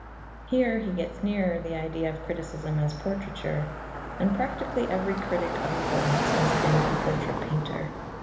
Here he gets nearer the idea of criticism as portraiture, and practically every critic of importance has been a portrait painter.